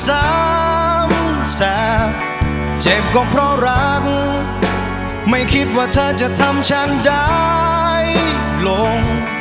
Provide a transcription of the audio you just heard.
สามแสบเจ็บก็เพราะรักไม่คิดว่าเธอจะทำฉันได้ลง